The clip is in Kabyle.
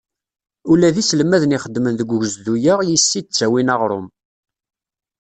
Ula d iselmaden ixeddmen deg ugezdu-a yis-s i d-ttawin aɣrum.